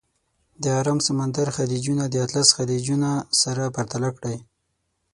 د ارام سمندر خلیجونه د اطلس خلیجونه سره پرتله کړئ.